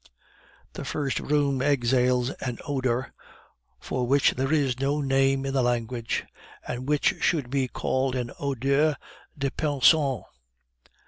The first room exhales an odor for which there is no name in the language, and which should be called the odeur de pension.